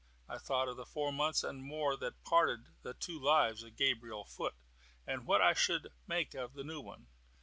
I thought of the four months and more which parted the two lives of Gabriel Foot, and what I should make of the new one.